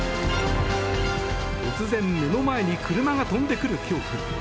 突然、目の前に車が飛んでくる恐怖。